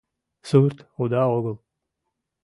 Сурт уда огыл».